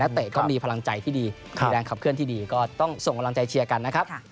เตะก็มีพลังใจที่ดีมีแรงขับเคลื่อนที่ดีก็ต้องส่งกำลังใจเชียร์กันนะครับ